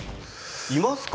いますか？